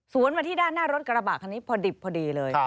มาที่ด้านหน้ารถกระบะคันนี้พอดิบพอดีเลย